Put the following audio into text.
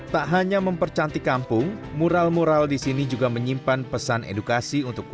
tak hanya mempercantik kampung mural mural di sini juga menyimpan pesan edukasi untuk warga